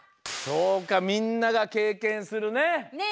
そうかみんながけいけんするね。ね。